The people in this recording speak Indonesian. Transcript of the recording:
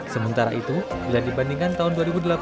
sementara itu bila dibandingkan tahun dua ribu delapan belas